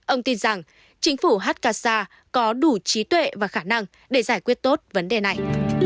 ông tin rằng chính phủ hakasa có đủ trí tuệ và khả năng để giải quyết tốt vấn đề này